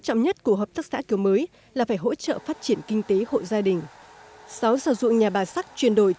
tham gia hợp tác xã kiểu mới bà không còn canh cánh lo miếng cơm như trước